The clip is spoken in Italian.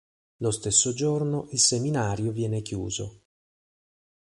Lo stesso giorno il seminario viene chiuso.